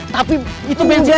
tapi itu benjer